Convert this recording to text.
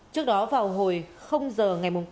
trước đó vào hồi giờ ngày một